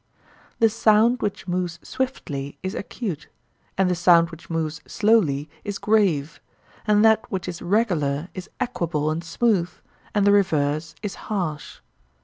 The sound which moves swiftly is acute, and the sound which moves slowly is grave, and that which is regular is equable and smooth, and the reverse is harsh.